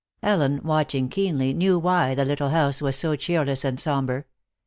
Ellen, watching keenly, knew why the little house was so cheerless and somber.